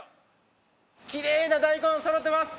「きれいな大根そろってます！」